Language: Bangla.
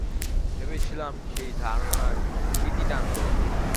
ভেবেছিলাম সেই ধারণার ইতি টানব!